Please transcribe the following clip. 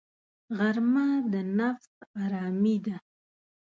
غرمه د نفس آرامي ده